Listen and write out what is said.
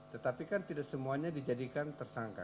tetapi kan tidak semuanya dijadikan tersangka